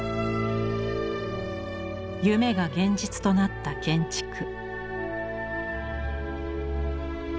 夢が現実となった建築。